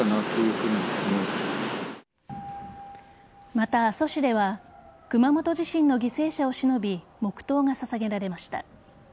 また、阿蘇市では熊本地震の犠牲者をしのび黙とうが捧げられました。